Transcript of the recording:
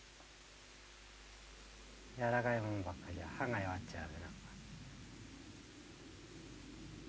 軟らかいものばっかじゃ歯が弱っちゃう。